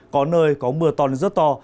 có nơi có mưa to nên rất to